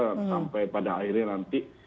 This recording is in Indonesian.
sampai pada akhirnya nanti